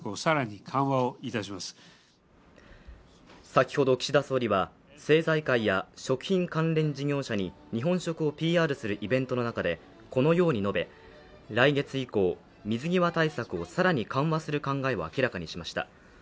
先ほど岸田総理は政財界や食品関連事業者に日本食をＰＲするイベントの中でこのように述べ来月以降、水際対策を更に緩和する考えを明らかにしました。